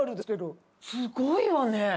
すごいわね。